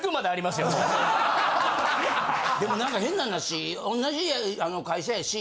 でもなんか変な話同じ会社やし。